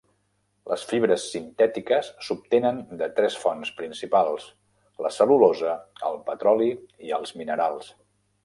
Les fibres sintètiques s'obtenen de tres fonts principals: la cel·lulosa, el petroli i els minerals.